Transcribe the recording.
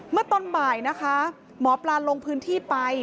เมื่อตอนบ่ายนะคะหมอปลาลงพื้นที่ไป